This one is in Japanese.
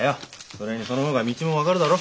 それにその方が道も分かるだろ。